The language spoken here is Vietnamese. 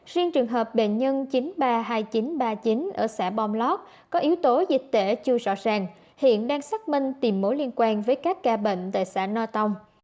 riêng trường hợp bệnh nhân chín trăm ba mươi hai nghìn chín trăm ba mươi chín ở xã bom lót có yếu tố dịch tễ chưa rõ ràng hiện đang xác minh tìm mối liên quan với các ca bệnh tại xã no tông